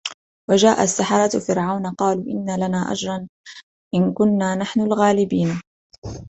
وجاء السحرة فرعون قالوا إن لنا لأجرا إن كنا نحن الغالبين